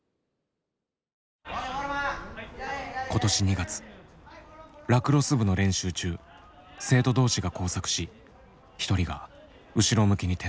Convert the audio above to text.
今年２月ラクロス部の練習中生徒同士が交錯し一人が後ろ向きに転倒。